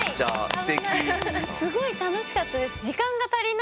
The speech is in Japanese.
すごい楽しかったです！